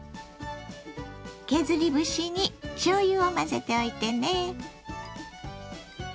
削り節にしょうゆを混ぜておいてね。